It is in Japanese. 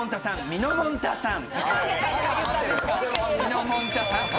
みのもんたさん。